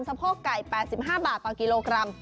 โพกไก่๘๕บาทต่อกิโลกรัม